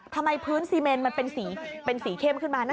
ทำไมพื้นซีเมนมันเป็นสีเข้มขึ้นมา